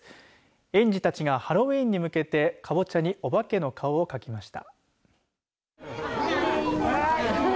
園児たちがハロウィーンに向けてかぼちゃにお化けの顔を描きました。